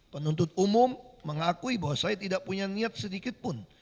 penuntut umum mengakui bahwa saya tidak punya niat sedikitpun